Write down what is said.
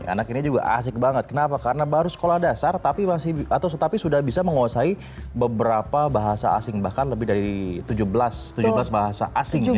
anak ini juga asik banget kenapa karena baru sekolah dasar atau tetapi sudah bisa menguasai beberapa bahasa asing bahkan lebih dari tujuh belas tujuh belas bahasa asing